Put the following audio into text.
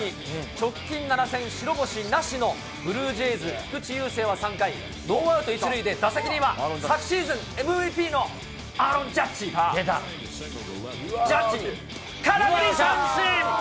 直近７戦、白星なしのブルージェイズ、菊池雄星は３回、ノーアウト１塁で打席には昨シーズンＭＶＰのアーロン・ジャッジ、空振り三振。